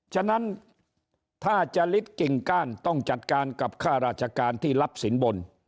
ฉะนั้นถ้าจะลิดกิ่งก้านต้องจัดการกับค่าราชการที่รับสินบน